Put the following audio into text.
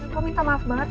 kau minta maaf banget ya